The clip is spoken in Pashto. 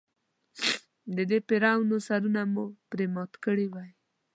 د دې فرعونانو سرونه مو پرې مات کړي وای.